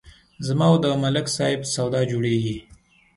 زما او د ملک صاحب سودا جوړېږي